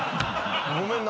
ごめんな。